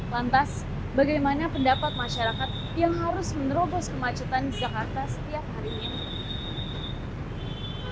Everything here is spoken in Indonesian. lantas bagaimana pendapat masyarakat yang harus menerobos kemacetan di jakarta setiap hari ini